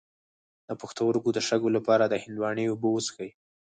د پښتورګو د شګو لپاره د هندواڼې اوبه وڅښئ